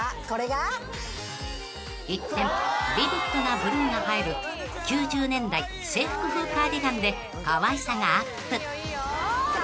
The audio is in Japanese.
［一転ビビッドなブルーが入る９０年代制服風カーディガンでかわいさがアップ］